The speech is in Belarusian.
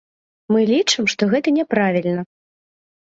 Мы лічым, што гэта няправільна.